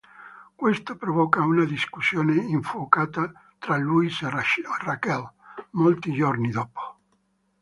Questo provoca una discussione infuocata tra Louis e Rachel molti giorni dopo.